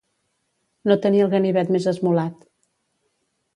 No tenir el ganivet més esmolat.